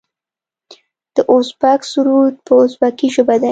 د ازبک سرود په ازبکي ژبه دی.